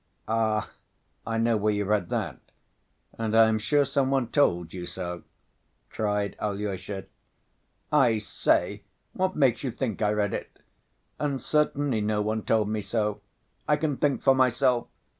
"Ah, I know where you read that, and I am sure some one told you so!" cried Alyosha. "I say, what makes you think I read it? And certainly no one told me so. I can think for myself....